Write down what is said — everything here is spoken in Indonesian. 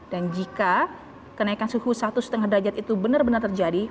dan jika kenaikan suhu satu lima derajat itu benar benar terjadi